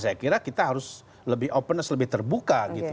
saya kira kita harus lebih open lebih terbuka